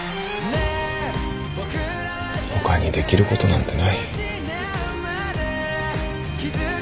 他にできることなんてない。